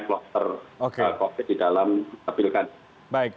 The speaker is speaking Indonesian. kloster covid di dalam pilkada